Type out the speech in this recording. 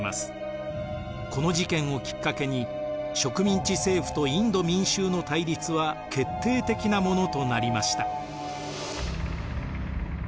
この事件をきっかけに植民地政府とインド民衆の対立は決定的なものとなりました。